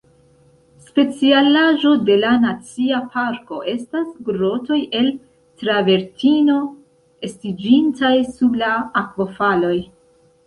Specialaĵo de la nacia parko estas grotoj el travertino, estiĝintaj sub la akvofaloj.